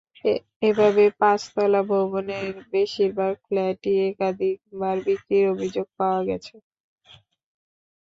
এভাবে পাঁচতলা ভবনের বেশির ভাগ ফ্ল্যাটই একাধিকবার বিক্রির অভিযোগ পাওয়া গেছে।